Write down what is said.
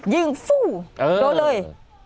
ยิงฟู้โดดเลย